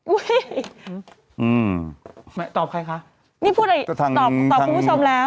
อุ้ยตอบใครคะตอบคุณผู้ชมแล้วนี่ตอบจริงไหมล่ะ